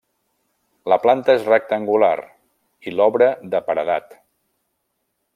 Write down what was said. La planta és rectangular, i l'obra de paredat.